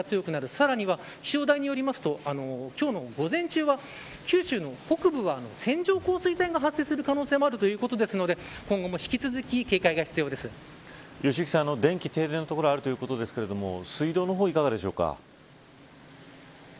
さらには、気象台によると今日の午前中は九州の北部は、線状降水帯が発生する可能性もあるということなので良幸さん、電気停電の所もあるということですが水道の方はいかがでしょうか。